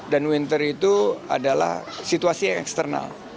dan winter itu adalah situasi yang eksternal